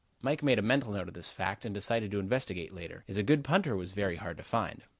Mike made a mental note of this fact and decided to investigate later, as a good punter was very hard to find.